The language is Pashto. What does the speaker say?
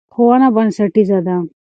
ښوونه بنسټیزه ده.